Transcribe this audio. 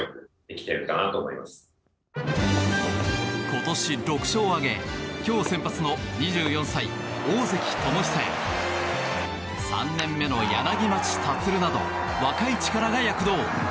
今年６勝を挙げ今日先発の２４歳、大関友久や３年目の柳町達など若い力が躍動。